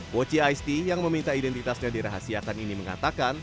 popci isp yang meminta identitasnya di rahasiakan ini mengatakan